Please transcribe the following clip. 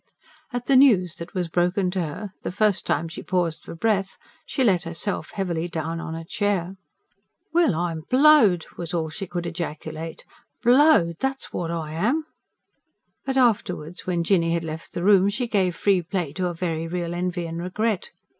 At the news that was broken to her, the first time she paused for breath, she let herself heavily down on a chair. "Well, I'm blowed!" was all she could ejaculate. "Blowed!... that's what I am." But afterwards, when Jinny had left the room, she gave free play to a very real envy and regret.